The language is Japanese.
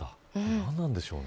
何なんでしょうね。